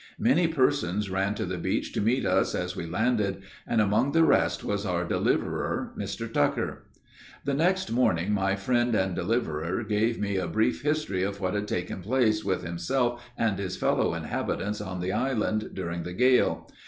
Many persons ran to the beach to meet us as we landed, and among the rest was our deliverer, Mr. Tucker. The next morning, my friend and deliverer gave me a brief history of what had taken place with himself and his fellow inhabitants on the island, during the gale.